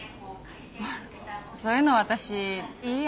そういうの私いいや。